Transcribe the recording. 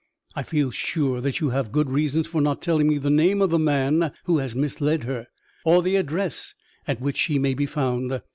I feel sure that you have good reasons for not telling me the name of the man who has misled her, or the address at which she may be found.